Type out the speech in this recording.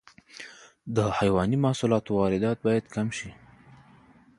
د حیواني محصولاتو واردات باید کم شي.